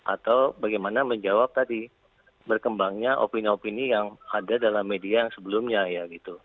atau bagaimana menjawab tadi berkembangnya opini opini yang ada dalam media yang sebelumnya ya gitu